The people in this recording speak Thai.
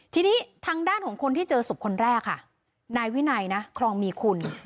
ทีนี้ทางด้านของคนที่เจอศพคนแรกค่ะนายวินัยนะครองมีคุณ